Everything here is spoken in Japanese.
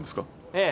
ええ。